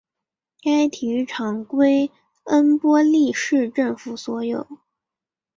该体育场归恩波利市政府所有。